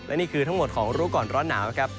และนี่คือทั้งหมดของรู้ก่อนร้อนหนาวนะครับ